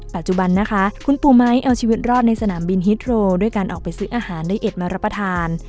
ปัจจุบันนะคะคุณปู่ไม้เอาชีวิตรอดในสนามบินฮิตโรด้วยการออกไปซื้ออาหารได้เอ็ดมารับประทาน